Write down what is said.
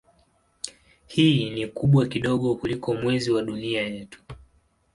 Hii ni kubwa kidogo kuliko Mwezi wa Dunia yetu.